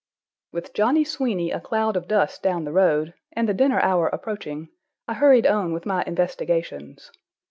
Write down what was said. With Johnny Sweeny a cloud of dust down the road, and the dinner hour approaching, I hurried on with my investigations.